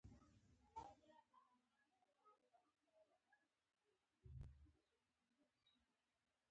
خصوصي سکتور ته د ودې زمینه برابریږي.